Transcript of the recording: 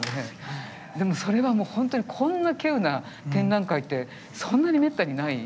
でもそれはもう本当にこんな稀有な展覧会ってそんなに滅多にない。